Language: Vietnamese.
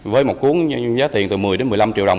với một cuốn giá tiền từ một mươi đến một mươi năm triệu đồng